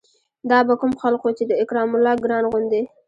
دا به کوم خلق وو چې د اکرام الله ګران غوندې